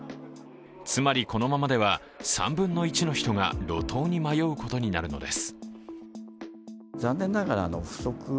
つまり、このままでは３分の１の人が路頭に迷うことになるのです。